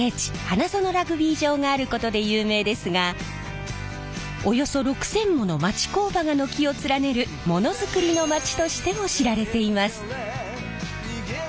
花園ラグビー場があることで有名ですがおよそ６，０００もの町工場が軒を連ねるモノづくりのまちとしても知られています。